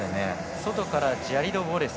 外からジャリド・ウォレス